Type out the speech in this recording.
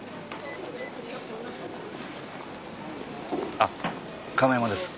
あっ亀山です。